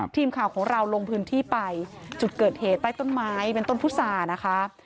ทีมข่าวของเราลงพื้นที่ไปจุดเกิดเหตุใต้ต้นไม้เป็นต้นพุษานะคะ